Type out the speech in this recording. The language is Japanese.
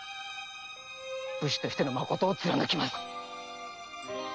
武士としてのまことを貫きます。